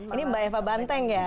ini mbak eva banteng ya